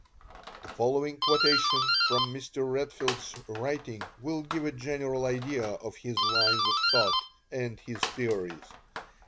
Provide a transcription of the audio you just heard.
The following quotations from Mr. Redfield's writing will give a general idea of his lines of thought and his theories.